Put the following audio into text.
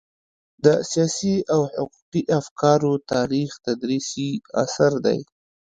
د سياسي او حقوقي افکارو تاریخ تدريسي اثر دی.